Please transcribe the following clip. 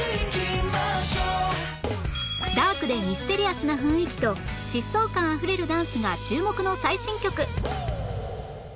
ダークでミステリアスな雰囲気と疾走感あふれるダンスが注目の最新曲